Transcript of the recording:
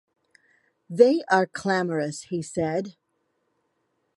“They are clamorous,” he said.